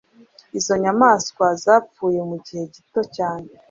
izo nyamaswa zapfuye mu gihe gito cyane